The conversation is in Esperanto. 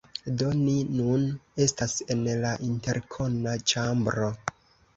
Do, ni nun estas en la interkona ĉambro